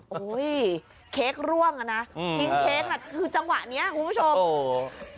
โอ้ยเค้กร่วงอ่ะนะจังหวะเนี้ยคุณผู้ชม